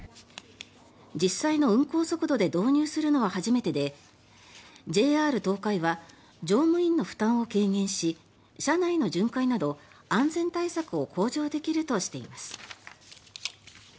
実際の運行速度で導入するのは初めてでＪＲ東海は乗務員の負担を軽減し車内の巡回など安全対策を向上できるとしています。